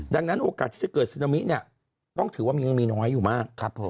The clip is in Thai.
ดังนั้นโอกาสที่จะเกิดซึนามิเนี่ยต้องถือว่ามันยังมีน้อยอยู่มาก